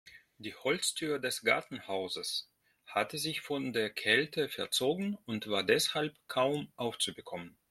Die Holztür des Gartenhauses hatte sich von der Kälte verzogen und war deshalb kaum aufzubekommen.